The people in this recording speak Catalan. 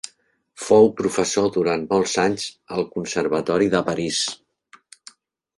Fou professor durant molts anys al Conservatori de París.